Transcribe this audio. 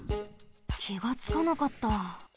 きがつかなかった。